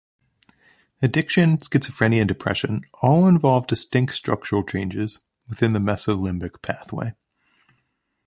Addiction, schizophrenia, and depression all involve distinct structural changes within the mesolimbic pathway.